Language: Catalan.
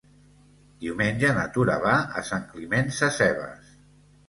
Diumenge na Tura va a Sant Climent Sescebes.